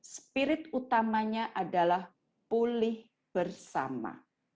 spirit utamanya adalah pulih bersama